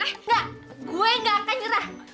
ah enggak gue gak akan nyerah